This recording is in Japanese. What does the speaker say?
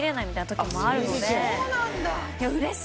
そうなんだ！